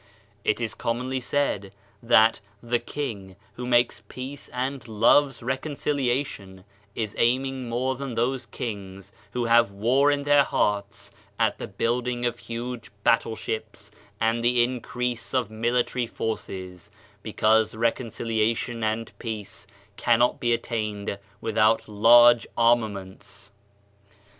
It is commonly said that "the king, who makes peace and loves reconciliation, is aiming more than those kings who have war in their hearts at the building of huge battleships and the increase of military forces, because reconcilia tion and peace cannot be attained without large armaments."